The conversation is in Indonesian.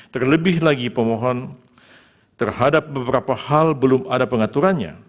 terlebih lagi pemohon terhadap beberapa hal belum ada pengaturannya